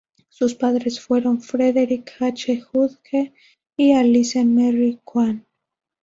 Sus padres fueron Frederick H. Judge y Alice Merry Quan.